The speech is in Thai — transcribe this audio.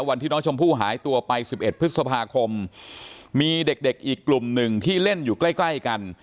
วันที่น้องชมพู่หายตัวไป๑๑พฤษภาคมมีเด็กอีกกลุ่มหนึ่งที่เล่นอยู่ใกล้ใกล้กัน